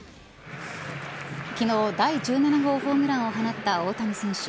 昨日、第１７号ホームランを放った大谷選手。